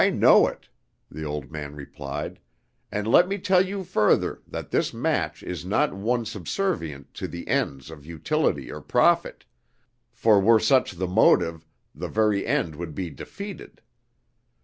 "I know it," the old man replied; "and let me tell you further that this match is not one subservient to the ends of utility or profit; for, were such the motive, the very end would be defeated.